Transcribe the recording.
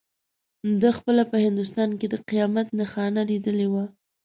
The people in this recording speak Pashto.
ده خپله په هندوستان کې د قیامت نښانه لیدلې وه.